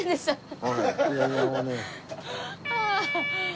ああ。